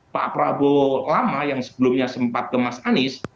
pak prabowo lama yang sebelumnya sempat ke mas anies